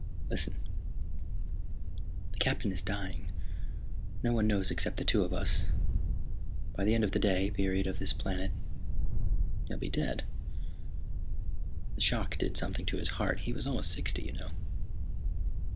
"Listen. The Captain is dying. No one knows except the two of us. By the end of the day period of this planet he'll be dead. The shock did something to his heart. He was almost sixty, you know."